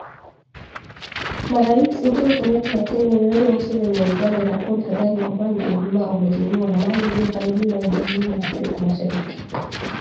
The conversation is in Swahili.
Marais Uhuru Kenyata wa Kenya, Yoweri Museveni wa Uganda, na Paul Kagame wa Rwanda Ijumaa wamezindua ramani iliyopanuliwa ya Jumuiya ya Afrika Mashariki.